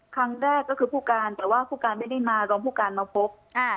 ครั้งแรกก็คือผู้การแต่ว่าผู้การไม่ได้มารองผู้การมาพบค่ะ